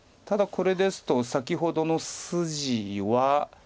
ただこれですと先ほどの筋は。